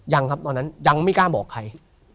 ยังครับตอนนั้นยังไม่กล้าบอกใคร